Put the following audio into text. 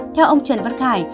theo ông trần văn khải